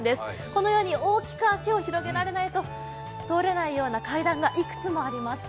このように大きく足を広げられないと通れないような階段がいくつもあります。